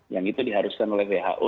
yang itu diharuskan oleh who